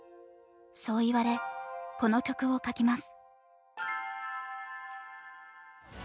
そう言われこの曲を書きます。